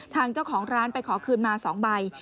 ทางเจ้าของร้านไปขอคืนมา๒ใบ